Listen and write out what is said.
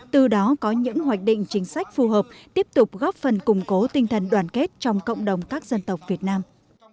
từ đó có những hoạch định chính sách phù hợp tiếp tục góp phần củng cố tinh thần đoàn kết trong cộng đồng các dân tộc việt nam